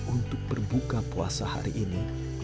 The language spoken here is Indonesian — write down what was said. untuk berbuka puasa hari ini